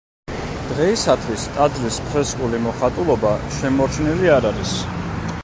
დღეისათვის ტაძრის ფრესკული მოხატულობა შემორჩენილი არ არის.